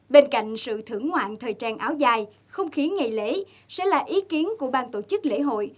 bên cạnh sự thưởng ngoạn thời trang áo dài không khí ngày lễ sẽ là ý kiến của bang tổ chức lễ hội